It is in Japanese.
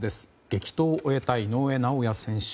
激闘を終えた井上尚弥選手。